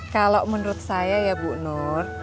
kalau menurut saya ya bu nur